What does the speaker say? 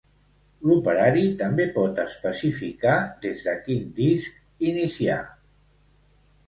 L'operari també pot especificar des de quin disc iniciar.